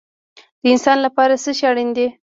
د انسان لپاره څه شی اړین دی؟